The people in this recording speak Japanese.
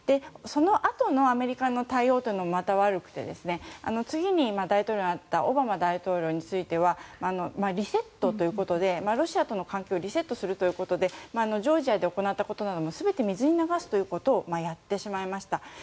そのあとのアメリカの対応というのもまた悪くて次に大統領になったオバマ大統領についてはリセットということでロシアとの関係をリセットするということでジョージアで行ったことなども全て水に流すということをやってしまいました。